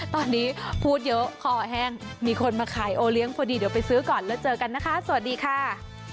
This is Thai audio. ตอนนี้พูดเยอะคอแห้งมีคนมาขายโอเลี้ยงพอดีเดี๋ยวไปซื้อก่อนแล้วเจอกันนะคะสวัสดีค่ะ